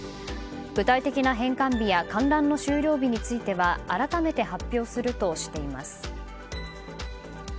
具体的な返還日や観覧の終了日については改めて発表するとしています。